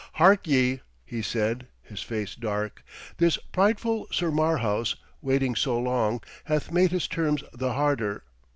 'Hark ye,' he said, his face dark, 'this prideful Sir Marhaus, waiting so long, hath made his terms the harder.